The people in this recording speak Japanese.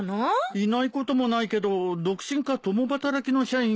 いないこともないけど独身か共働きの社員が多くてね。